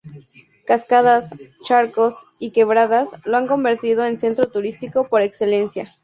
Cascadas, charcos y quebradas, lo han convertido en Centro Turístico por excelencia.